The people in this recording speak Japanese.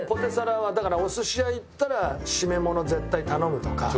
だからお寿司屋行ったら締めもの絶対頼むとか。